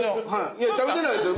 いや食べてないですよ！